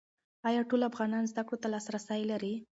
ایا ټول افغانان زده کړو ته لاسرسی لري؟